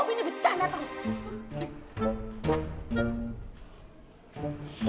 poppy ini becanda terus